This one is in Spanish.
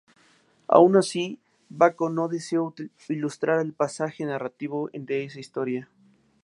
Aun así, Bacon no deseo ilustrar el pasaje narrativo de esa historia.